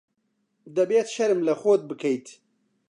دەبێت شەرم لە خۆت بکەیت.